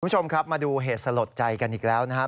คุณผู้ชมครับมาดูเหตุสลดใจกันอีกแล้วนะครับ